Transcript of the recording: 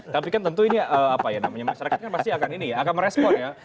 tapi kan tentu ini apa ya namanya masyarakat kan pasti akan ini ya akan merespon ya